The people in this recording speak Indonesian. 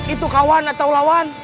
itu kawan atau lawan